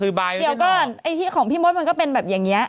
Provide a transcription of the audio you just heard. คือใบเดี๋ยวก่อนไอ้ที่ของพี่มดมันก็เป็นแบบอย่างเงี้ย